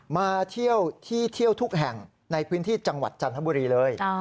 มาเที่ยวที่เที่ยวทุกแห่งในพื้นที่จังหวัดจันทบุรีเลย